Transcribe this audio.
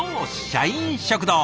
社員食堂。